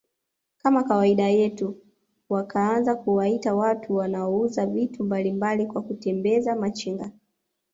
kama kawaida yetu wakaanza kuwaita watu wanauza vitu mbalimbali kwa kutembeza Machinga